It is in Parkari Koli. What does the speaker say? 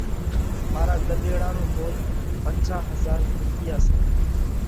مارا ڳۮيڙا رو مُول پنجاه هزار رُوپِيا سئہ۔